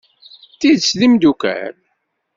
D tidet d imeddukal?